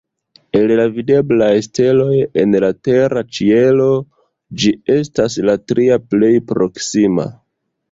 El la videblaj steloj en la tera ĉielo, ĝi estas la tria plej proksima.